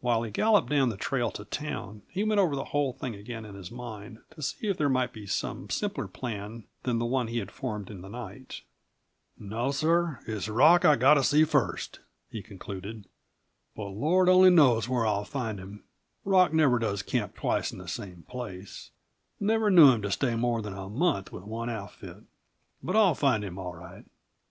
While he galloped down the trail to town, he went over the whole thing again in his mind, to see if there might be some simpler plan than the one he had formed in the night. "No, sir it's Rock I've got to see first," he concluded. "But Lord only knows where I'll find him; Rock never does camp twice in the same place. Never knew him to stay more than a month with one outfit. But I'll find him, all right!"